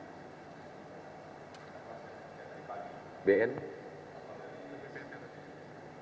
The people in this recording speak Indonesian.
kemana kapal dari ppet sudah meninggal dunia semua